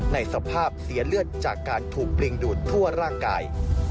ในสภาพเสียเลือดจากการถูกปลิงดูดทั่วร่างกาย